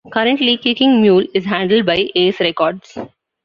Currently, Kicking Mule is handled by Ace Records.